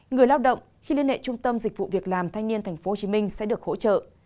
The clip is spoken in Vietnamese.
người lao động khi liên hệ trung tâm dịch vụ việc làm thanh niên tp hcm sẽ được hỗ trợ